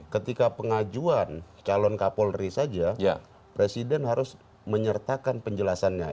ketika pengajuan calon kapolri saja presiden harus menyertakan penjelasannya